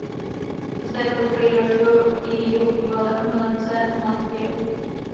Zde potkají dalšího jejího bývalého milence Mathieu.